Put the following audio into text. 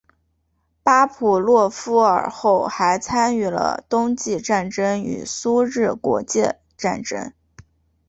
巴甫洛夫尔后还参与了冬季战争与苏日国界战争。